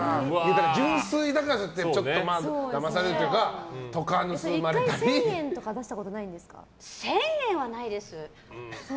純粋だからだまされるというか１回１０００円とか１０００円はないです。